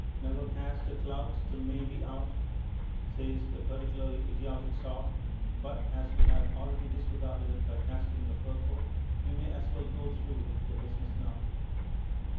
"Ne'er cast a clout till May be out" says a particularly idiotic saw, but as you have already disregarded it by casting your fur coat, you may as well go through with the business now.